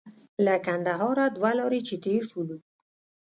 له کندهار دوه لارې چې تېر شولو.